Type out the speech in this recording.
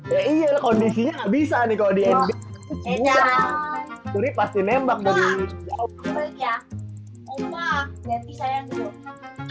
ya iya lah kondisinya nggak bisa nih